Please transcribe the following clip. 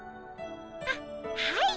あっはい。